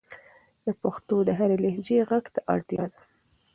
د پښتو د هرې لهجې ږغ ته اړتیا ده.